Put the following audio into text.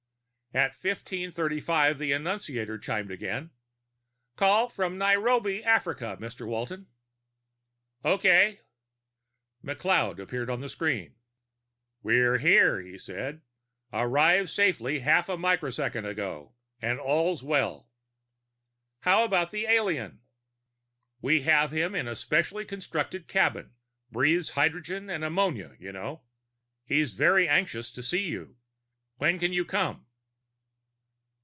At 1535 the annunciator chimed again. "Call from Nairobi, Africa, Mr. Walton." "Okay." McLeod appeared on the screen. "We're here," he said. "Arrived safely half a microsecond ago, and all's well." "How about the alien?" "We have him in a specially constructed cabin. Breathes hydrogen and ammonia, you know. He's very anxious to see you. When can you come?"